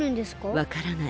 わからない。